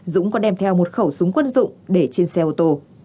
dũng có đem theo một khẩu súng quân dụng để trên xe ô tô